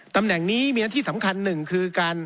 ตำแหน่งนี้ที่มีหนักที่สำคัญหนึ่งคือ